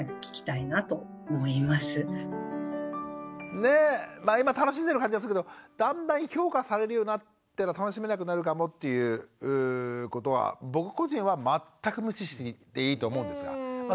ねっ今楽しんでる感じがするけどだんだん評価されるようになって楽しめなくなるかもっていうことは僕個人は全く無視していいと思うんですがそれが心配という方もいると思います。